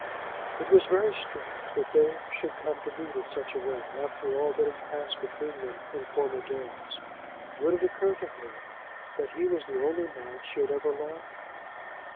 It was very strange that they should come to meet in such a way, after all that had passed between them in former days. Would it occur to her that he was the only man she had ever loved?